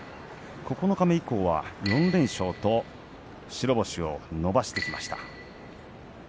九日目以降は４連勝と白星を伸ばしてきました。